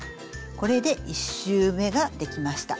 これで１周めができました。